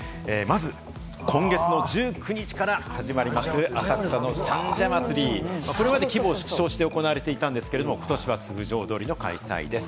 まず今月１９日から始まります、浅草・三社祭、これまで規模を縮小して行われていたんですが、今年は通常通りの開催です。